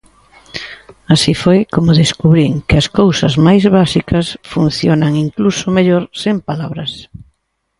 Así foi como descubrín que as cousas máis básicas funcionan incluso mellor sen palabras.